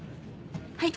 はい。